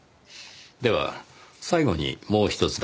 では最後にもうひとつだけ。